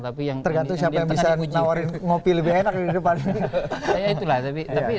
tergantung siapa yang bisa menawarkan ngopi lebih enak di depan